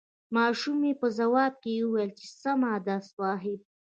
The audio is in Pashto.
ماشومې په ځواب کې وويل چې سمه ده صاحب.